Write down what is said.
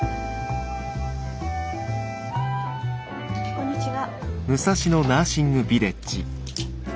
こんにちは。